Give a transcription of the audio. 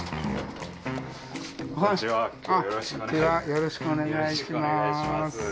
よろしくお願いします。